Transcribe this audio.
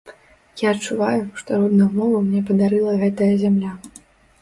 Я адчуваю, што родную мову мне падарыла гэтая зямля.